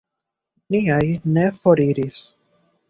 Niaj ne foriris.